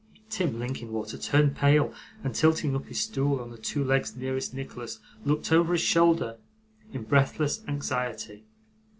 Tim Linkinwater turned pale, and tilting up his stool on the two legs nearest Nicholas, looked over his shoulder in breathless anxiety.